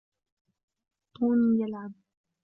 توني يلعب.